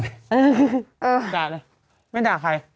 ด่าเลยไม่ด่าใคร